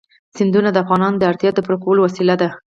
سیندونه د افغانانو د اړتیاوو د پوره کولو وسیله ده.